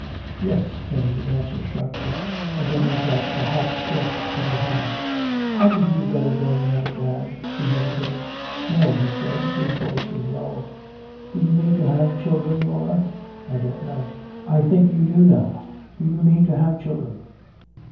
"Yes," came the answer sharply, and then he felt the hot clutch of her hand. "Hadn't you better go now, dad?" He hesitated. "No," he said. His voice was low. "Do you mean to have children, Laura?" "I don't know." "I think you do know. Do you mean to have children?"